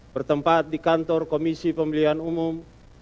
bertempat di kantor komisi pemilihan umum